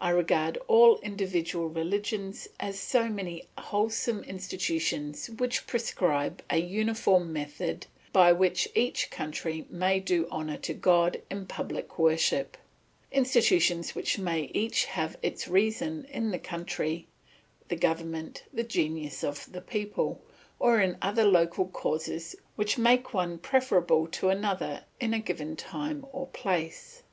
I regard all individual religions as so many wholesome institutions which prescribe a uniform method by which each country may do honour to God in public worship; institutions which may each have its reason in the country, the government, the genius of the people, or in other local causes which make one preferable to another in a given time or place.